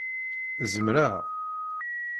Zemreɣ?